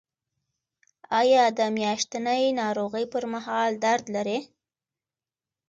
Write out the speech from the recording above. ایا د میاشتنۍ ناروغۍ پر مهال درد لرئ؟